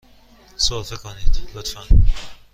سرفه کنید، لطفاً.